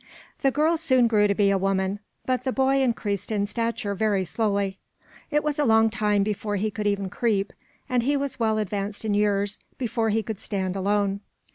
The girl soon grew to be a woman, but the boy increased in stature very slowly. It was a long time before he could even creep, and he was well advanced in years before he could stand alone.